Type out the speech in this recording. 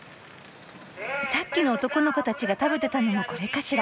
さっきの男の子たちが食べてたのもこれかしら。